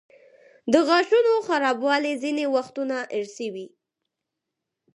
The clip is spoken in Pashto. د غاښونو خرابوالی ځینې وختونه ارثي وي.